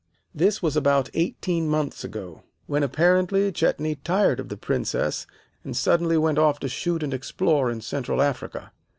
"This was about eighteen months ago, when apparently Chetney tired of the Princess, and suddenly went off to shoot and explore in Central Africa.